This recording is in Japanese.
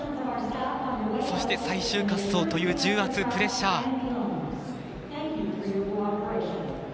そして、最終滑走という重圧、プレッシャー。